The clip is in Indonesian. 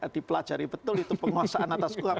dipelajari betul itu penguasaan atas kuhap